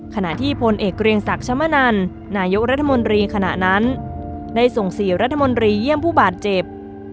ขณะที่พลเอกเกรียงศักดิ์ชมนันนายกรัฐมนตรีขณะนั้นได้ส่ง๔รัฐมนตรีเยี่ยมผู้บาดเจ็บ